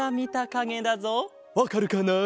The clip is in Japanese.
わかるかな？